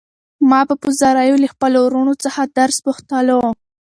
ما به په زاریو له خپلو وروڼو څخه درس پوښتلو.